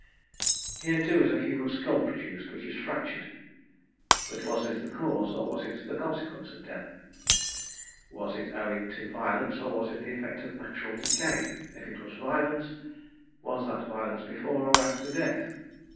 "Here too is a human skull produced, which is fractured; but was this the cause, or was it the consequence, of death? was it owing to violence, or was it the effect of natural decay? If it was violence, was that violence before or after death?